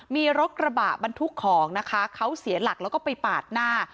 มีรถกระบะบรรทุกของนะคะเขาเสียหลักแล้วก็ไปปาดหน้า